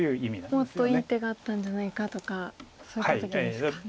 もっといい手があったんじゃないかとかそういった時ですか。